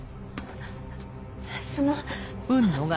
その。